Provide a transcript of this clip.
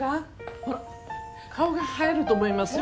ほら顔が映えると思いますよ。